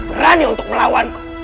berani untuk melawanku